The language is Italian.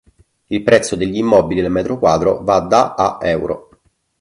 Il prezzo degli immobili al metro quadro va da a Euro.